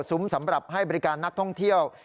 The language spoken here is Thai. สำหรับให้บริการนักท่องเที่ยว